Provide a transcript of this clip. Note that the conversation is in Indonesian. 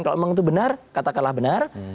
kalau memang itu benar katakanlah benar